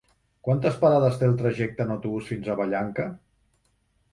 Quantes parades té el trajecte en autobús fins a Vallanca?